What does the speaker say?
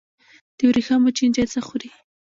د ورېښمو چینجی څه خوري؟